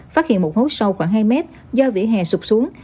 phát hiện một hố sâu khoảng hai mét do vỉa hè sụp xuống